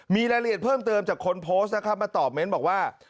มีรายละเอียดเพิ่มเติมจากคนโพสต์นะครับมาตอบเมนต์บอกว่า